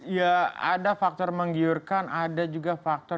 ya ada faktor menggiurkan ada juga faktor